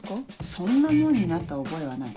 そんなもんになった覚えはない。